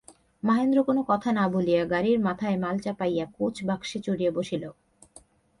মহেন্দ্র কোনো কথা না বলিয়া গাড়ির মাথায় মাল চাপাইয়া কোচবাক্সে চড়িয়া বসিল।